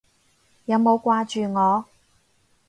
有冇掛住我？